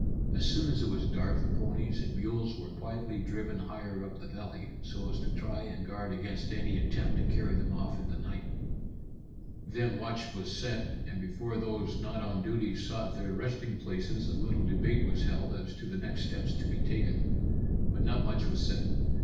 As soon as it was dark the ponies and mules were quietly driven higher up the valley, so as to try and guard against any attempt to carry them off in the night. Then watch was set, and before those not on duty sought their resting places a little debate was held as to the next steps to be taken. But not much was said.